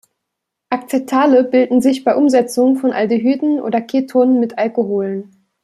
Acetale bilden sich bei Umsetzung von Aldehyden oder Ketonen mit Alkoholen.